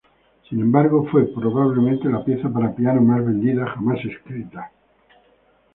Sin embargo, fue probablemente la pieza para piano más vendida jamás escrita.